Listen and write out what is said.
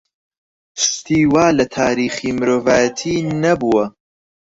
شتی وا لە تاریخی مرۆڤایەتی نەبووە.